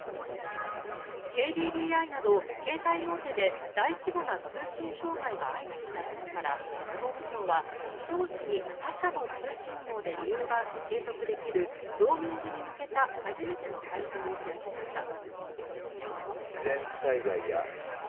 ＫＤＤＩなど携帯大手で大規模な通信障害が相次いだことから総務省は、非常時に他社の通信網で利用が継続できるローミングに向けた初めての会合を開きました。